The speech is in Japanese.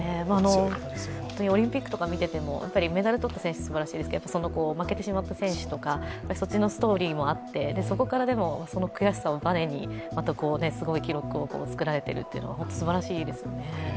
オリンピックとか見ててもメダルを取った選手はすばらしいですけれども、負けてしまった選手とか、そっちのストーリーもあって、そこからその悔しさをバネにまたすごい記録を作られているというのは本当にすばらしいですよね。